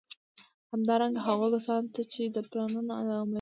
همدارنګه، هغو کسانو ته چي د پلانونو د عملي